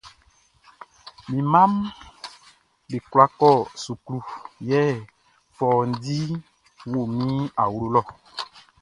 Mi mmaʼm be kwla kɔ suklu, yɛ fɔundi o mi awlo lɔ.